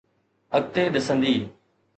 اڳتي ڏسندي.